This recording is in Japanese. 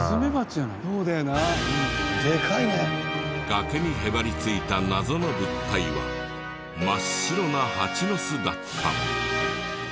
崖にへばりついた謎の物体は真っ白なハチの巣だった。